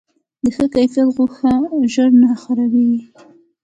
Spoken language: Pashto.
د ښه کیفیت غوښه ژر نه خرابیږي.